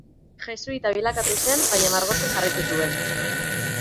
Jesuita bilakatu zen baina margotzen jarraitu zuen.